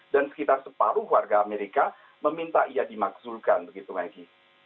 dan sekitar separuh warga amerika meminta ia dimaksulkan begitu lagi